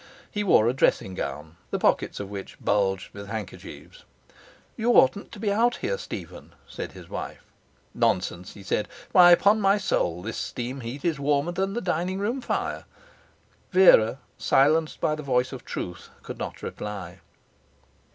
He wore a dressing gown, the pockets of which bulged with handkerchiefs. 'You oughtn't to be out here, Stephen,' said his wife. 'Nonsense!' he said. 'Why, upon my soul, this steam heat is warmer than the dining room fire.' Vera, silenced by the voice of truth, could not reply.